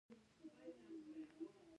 د ګاونډي دروازه باید ونه ځوروو